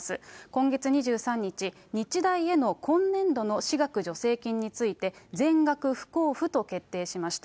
今月２３日、日大への今年度の私学助成金について、全額不交付と決定しました。